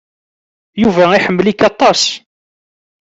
Yuba iḥemmel-ik aṭas.